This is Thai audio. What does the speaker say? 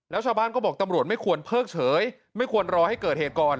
แล้วชาวบ้านก็บอกตำรวจไม่ควรเพิกเฉยไม่ควรรอให้เกิดเหตุก่อน